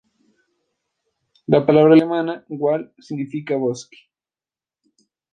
La palabra alemana "Wald" significa "bosque".